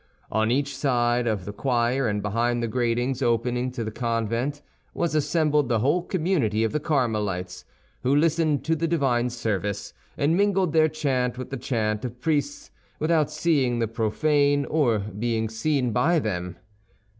On each side of the choir and behind the gratings opening into the convent was assembled the whole community of the Carmelites, who listened to the divine service, and mingled their chant with the chant of the priests, without seeing the profane, or being seen by them.